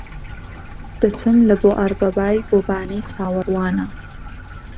دەچم لە بۆ ئەڕبابای بۆ بانەی چاوەڕوانە